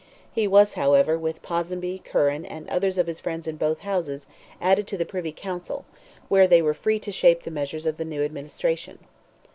He was, however, with Ponsonby, Curran, and others of his friends in both Houses, added to the Privy Council, where they were free to shape the measures of the new administration.